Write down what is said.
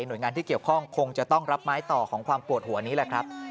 โดยงานที่เกี่ยวข้องคงจะต้องรับไม้ต่อของความปวดหัวนี้แหละครับ